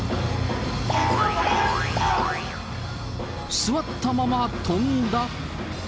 座ったまま跳んだ？